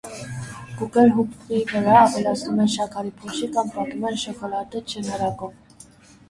Գուգելհուպֆի վրա ավելացնում են շաքարի փոշի կամ պատում են շոկոլադե ջնարակով։